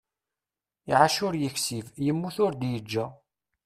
Iεac ur yeksib, yemmut ur d-yeǧǧa.